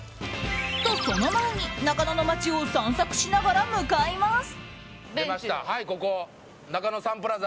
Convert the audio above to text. と、その前に中野の街を散策しながら向かいます。